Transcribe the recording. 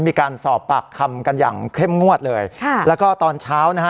มีการสอบปากคำกันอย่างเข้มงวดเลยค่ะแล้วก็ตอนเช้านะฮะ